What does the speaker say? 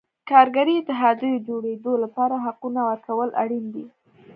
کارګري اتحادیو جوړېدو لپاره حقونو ورکول اړین دي.